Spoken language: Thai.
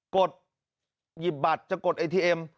กดหยิบบัตรจะกดไอทีเอ็ม